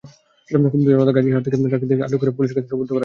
ক্ষুব্ধ জনতা গাজীরহাট থেকে ট্রাকটি আটক করে পুলিশের কাছে সোপর্দ করেন।